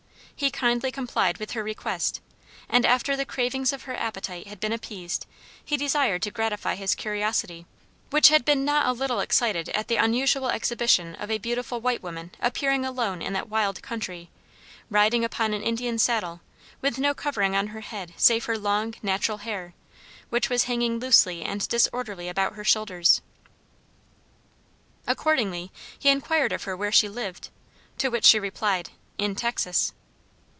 He kindly complied with her request, and after the cravings of her appetite had been appeased he desired to gratify his curiosity, which had been not a little excited at the unusual exhibition of a beautiful white woman appearing alone in that wild country, riding upon an Indian saddle, with no covering on her head save her long natural hair, which was hanging loosely and disorderly about her shoulders. Accordingly, he inquired of her where she lived, to which she replied, "In Texas."